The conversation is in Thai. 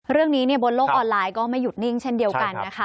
เรื่องนี้บนโลกออนไลน์ก็ไม่หยุดนิ่งเช่นเดียวกันนะคะ